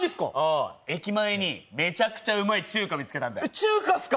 駅前にめちゃくちゃうまい中華見つけたんだよ。